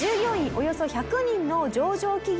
およそ１００人の上場企業の一角で。